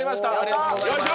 よいしょ！